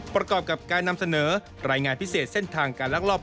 ประกอบกับการนำเสนอรายงานพิเศษเส้นทางการลักลอบ